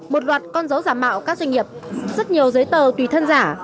một loạt con dấu giả mạo các doanh nghiệp rất nhiều giấy tờ tùy thân giả